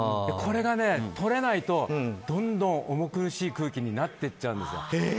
これが、とれないとどんどん重苦しい空気になっていっちゃうんですよ。